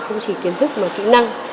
họ không chỉ kiến thức mà kỹ năng